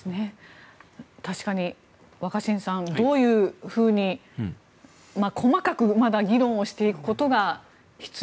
確かに若新さんどういうふうに細かくまだ議論をしていくことが必要。